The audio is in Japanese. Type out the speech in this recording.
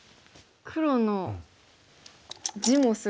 黒の地もすごいですし。